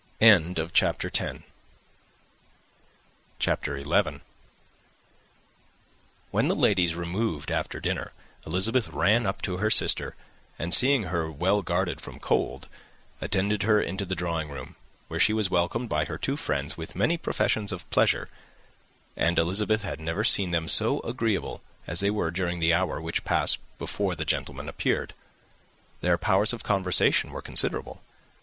[Illustration: "Piling up the fire" [Copyright 1894 by George Allen.]] CHAPTER XI. When the ladies removed after dinner Elizabeth ran up to her sister, and seeing her well guarded from cold, attended her into the drawing room, where she was welcomed by her two friends with many professions of pleasure; and Elizabeth had never seen them so agreeable as they were during the hour which passed before the gentlemen appeared. Their powers of conversation were considerable.